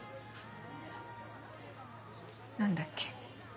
何だっけ？